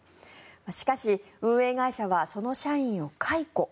しかし、運営会社はその社員を解雇。